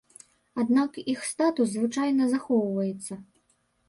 Аднак іх статус звычайна захоўваецца.